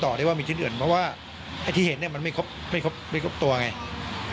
พอมาสำรวจรอบก็เลยรีบแจ้งเจ้าหน้าที่ให้มาตรวจสอบ